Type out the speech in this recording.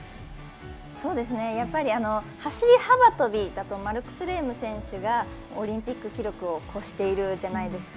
走り幅跳びだとマルクス・レーム選手がオリンピック記録を超しているじゃないですか。